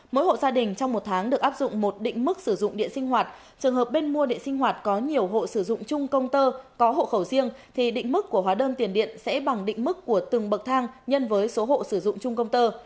mỗi hộ gia đình trong một tháng được áp dụng một định mức sử dụng điện sinh hoạt trường hợp bên mua điện sinh hoạt có nhiều hộ sử dụng chung công tơ có hộ khẩu riêng thì định mức của hóa đơn tiền điện sẽ bằng định mức của từng bậc thang nhân với số hộ sử dụng chung công tơ